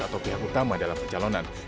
atau pihak utama dalam pencalonan